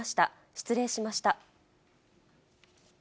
失礼しました。